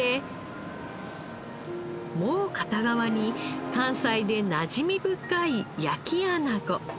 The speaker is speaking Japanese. もう片側に関西でなじみ深い焼きアナゴ。